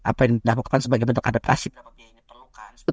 apa yang dilakukan sebagai bentuk adaptasi berapa biaya yang diperlukan